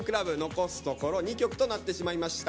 残すところ２曲となってしまいました。